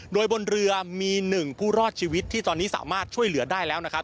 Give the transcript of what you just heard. โดยบนเรือมี๑ผู้รอดชีวิตที่ตอนนี้สามารถช่วยเหลือได้แล้วนะครับ